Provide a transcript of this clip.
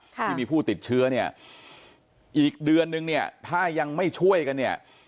ที่มีผู้ติดเชื้อเนี่ยอีกเดือนนึงเนี่ยถ้ายังไม่ช่วยกันเนี่ย